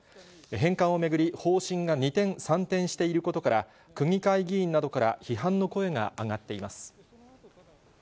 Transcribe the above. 返還を巡り、方針が二転三転していることから、区議会議員などから批判の声が上がっています。